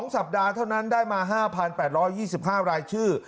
สัปดาห์เท่านั้นได้มา๕๘๒๕รายชื่อ